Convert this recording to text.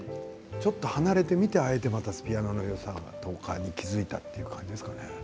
ちょっと離れてみてあえてピアノのよさに気付いたという感じですかね。